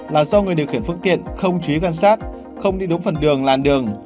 là do người điều khiển phương tiện không chú ý quan sát không đi đúng phần đường làn đường